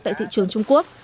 tại thị trường trung quốc